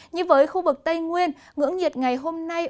như với khu vực tây nguyên ngưỡng nhiệt ngày hôm nay